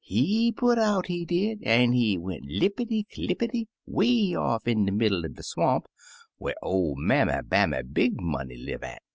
He put out, he did, an* he went, lippity clippity, 'way off in de middle er de swamp, whar oV Mammy Bammy Big Money live at.